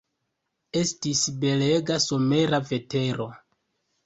Estis belega, somera vetero.